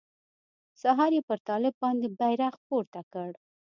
سهار يې پر طالب باندې بيرغ پورته کړ.